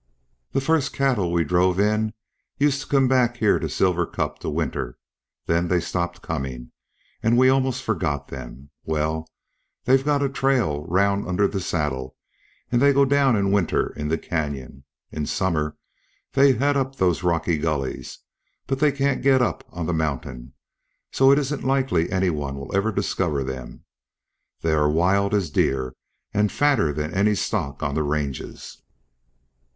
"The first cattle we drove in used to come back here to Silver Cup to winter. Then they stopped coming, and we almost forgot them. Well, they've got a trail round under the Saddle, and they go down and winter in the canyon. In summer they head up those rocky gullies, but they can't get up on the mountain. So it isn't likely any one will ever discover them. They are wild as deer and fatter than any stock on the ranges."